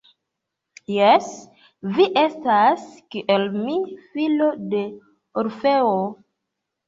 Jes, vi estas kiel mi, filo de Orfeo.